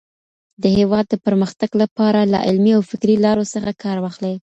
د هېواد د پرمختګ لپاره له علمي او فکري لارو څخه کار واخلئ.